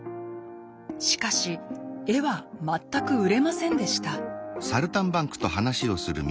しかし絵は全く売れませんでした。